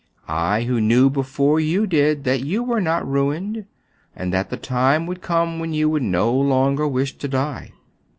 I, who knew before you did that you were not ruined, and that the time would come when you would no longer wish to die.